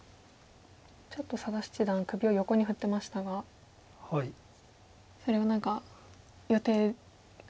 ちょっと佐田七段首を横に振ってましたがそれは何か予定外。